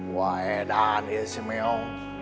wah edan ya si meo